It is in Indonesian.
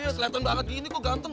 selain teng bahagia ini kok ganteng